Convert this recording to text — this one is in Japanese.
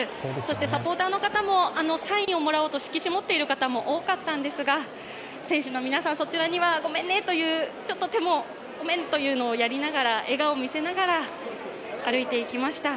サポーターの方も、サインをもらおうと色紙を持っている方も多かったんですが、選手の皆さんそちらにはごめんねというちょっと手もごめんとやりながら、笑顔を見せながら歩いていきました。